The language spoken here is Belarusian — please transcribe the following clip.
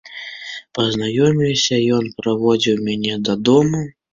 Пазнаёміліся, ён праводзіў мяне дадому.